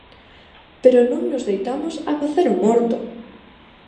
Pero non nos deitamos a facer o morto.